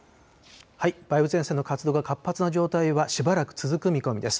梅雨前線の活動が活発な状態はしばらく続く見込みです。